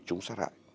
chúng sát hại